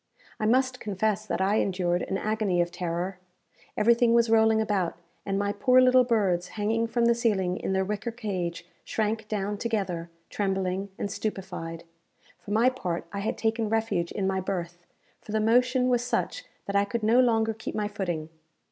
I must confess that I endured an agony of terror. Everything was rolling about, and my poor little birds, hanging from the ceiling in their wicker cage, shrank down together, trembling and stupefied. For my part, I had taken refuge in my berth; for the motion was such, that I could no longer keep my footing.